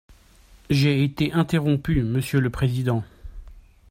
J’ai été interrompu, monsieur le président.